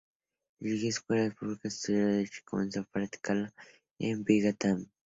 Dirigió escuelas públicas, estudió Derecho, y comenzó a practicarlo en Binghamton.